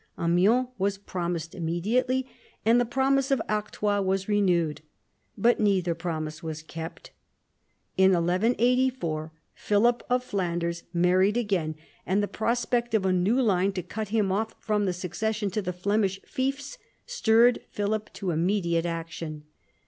Amiens was promised immediately, and the promise of Artois was renewed. But neither promise was kept. In 1184 Philip of Flanders married again, and the prospect of a new line to cut him off from the succession to the Flemish fiefs stirred Philip to immediate action.